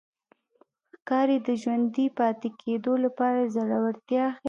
ښکاري د ژوندي پاتې کېدو لپاره زړورتیا ښيي.